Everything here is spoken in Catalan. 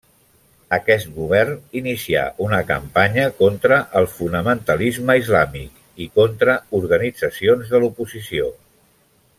Aquest govern inicià una campanya contra el fonamentalisme islàmic i contra organitzacions de l'oposició.